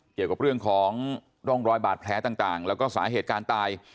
เกี่ยวกับเรื่องของร่องรอยบาดแผลต่างแล้วก็สาเหตุการณ์ตาย